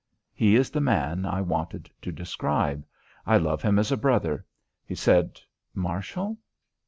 He is the man I wanted to describe. I love him as a brother. He said: "Marshall?